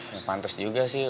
ya pantes juga sih